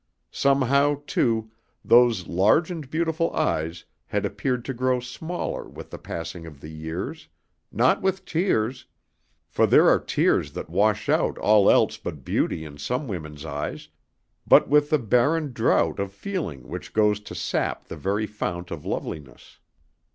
Somehow, too, those large and beautiful eyes had appeared to grow smaller with the passing of the years, not with tears, for there are tears that wash out all else but beauty in some women's eyes, but with the barren drought of feeling which goes to sap the very fount of loveliness.